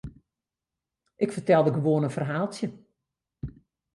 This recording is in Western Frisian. Ik fertelde gewoan in ferhaaltsje.